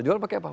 jual pakai apa